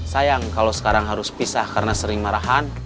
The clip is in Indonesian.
sayang kalau sekarang harus pisah karena sering marahan